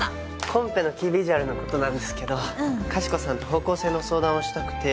コンペのキービジュアルの事なんですけどかしこさんと方向性の相談をしたくて。